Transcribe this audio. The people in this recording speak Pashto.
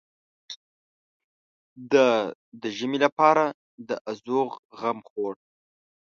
ده د ژمي لپاره د ازوغ غم خوړ.